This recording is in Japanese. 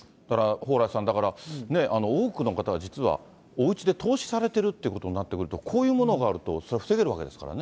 蓬莱さん、多くの方が実はおうちで凍死されているということになってくると、こういうものがあるとそれは防げるわけですからね。